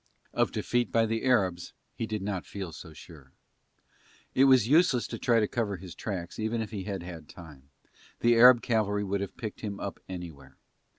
Of defeat by the Arabs he did not feel so sure. It was useless to try to cover his tracks even if he had had time, the Arab cavalry could have picked them up anywhere.